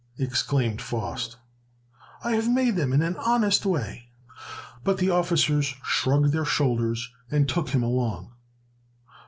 exclaimed Faust; "I have made them in an honest way!" But the officers shrugged their shoulders, and took him along.